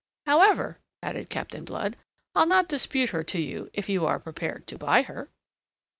"However," added Captain Blood, "I'll not dispute her to you if you are prepared to buy her."